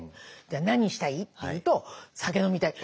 「じゃあ何したい？」って言うと「酒飲みたい」。